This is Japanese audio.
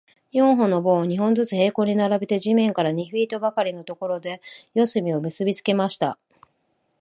四本の棒を、二本ずつ平行に並べて、地面から二フィートばかりのところで、四隅を結びつけました。